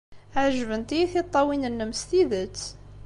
Ɛejbent-iyi tiṭṭawin-nnem s tidet.